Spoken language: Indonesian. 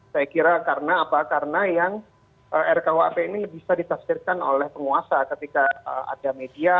saya kira karena apa karena yang rkuhp ini bisa ditafsirkan oleh penguasa ketika ada media